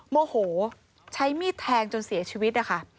โมโหใช้มีดแทงจนเสียชีวิตนะคะ